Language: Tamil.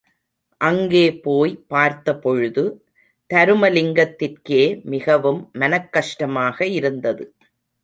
அங்கே போய் பார்த்தபொழுது, தருமலிங்கத்திற்கே மிகவும் மனக் கஷ்டமாக இருந்தது.